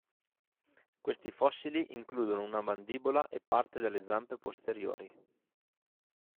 Questi fossili includono una mandibola e parte delle zampe posteriori.